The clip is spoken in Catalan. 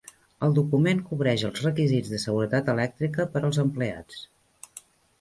El document cobreix els requisits de seguretat elèctrica per als empleats.